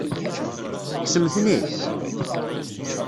Tekksem-ten-id?